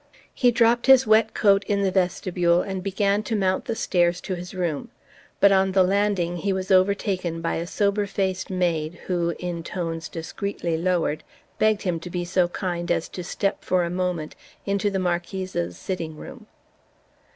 He dropped his wet coat in the vestibule and began to mount the stairs to his room. But on the landing he was overtaken by a sober faced maid who, in tones discreetly lowered, begged him to be so kind as to step, for a moment, into the Marquise's sitting room.